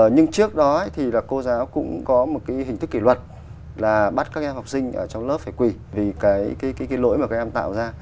nhưng trước đó thì là cô giáo cũng có một cái hình thức kỷ luật là bắt các em học sinh ở trong lớp phải quỷ vì cái lỗi mà các em tạo ra